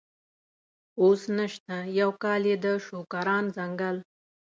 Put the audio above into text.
اوس نشته، یو کال یې د شوکران ځنګل.